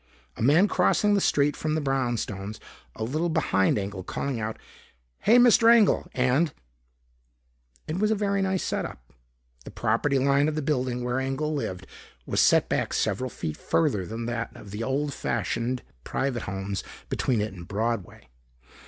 A man crossing the street from the brownstones, a little behind Engel, calling out, "Hey, Mr. Engel," and It was a very nice set up. The property line of the building where Engel lived was set back several feet further than that of the old fashioned private homes between it and Broadway.